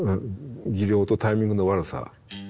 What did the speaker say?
技量とタイミングの悪さ。